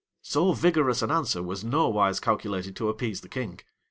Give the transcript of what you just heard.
[] So vigorous an answer was nowise calculated to appease the king.